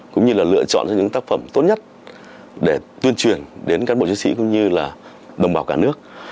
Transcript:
cũng như là lựa chọn ra những tác phẩm tốt nhất để tuyên truyền đến cán bộ chiến sĩ cũng như là đồng bào cả nước